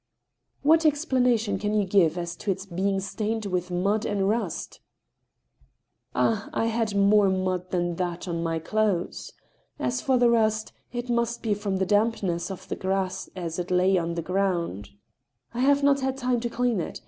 " What explanation can you give as to its being stained with mud and rust ?"" Ah ! I had more mud than that on my clothes. As for the rust, it must be from the dampness of the grass as it lay on the ground. 104 '^^^ STEEL HAMMER. I hsLve not had time to clean it.